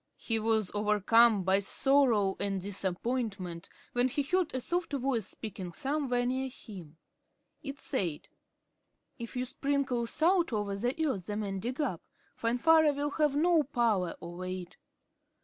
He was overcome by sorrow and disappointment, when he heard a soft voice speaking somewhere near him. It said: "If you sprinkle salt over the earth the men dig up, Finvarra will have no power over it."